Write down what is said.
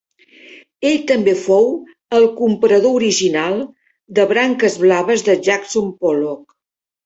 Ell també fou el comprador original de Branques blaves de Jackson Pollock.